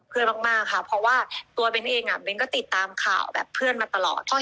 มากค่ะเพราะว่าตัวเบ้นเองเบ้นก็ติดตามข่าวแบบเพื่อนมาตลอด